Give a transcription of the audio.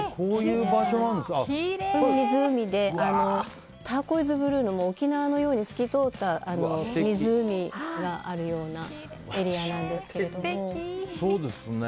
これは湖で、ターコイズブルーの沖縄のように透き通った湖があるようなエリアなんですけど。